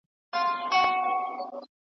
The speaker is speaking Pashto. بیا به سېل د شوپرکو له رڼا وي تورېدلی .